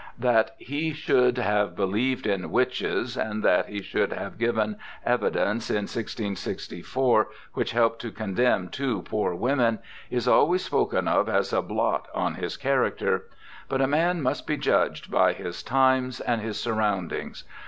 That he should have believed in witches, and that he should have given evidence in 1664 which helped to condemn two poor women, is always spoken of as a blot on his character ; but a man must be judged by his times and his surroundings.